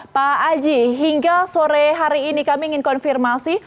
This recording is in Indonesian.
pak aji hingga sore hari ini kami ingin konfirmasi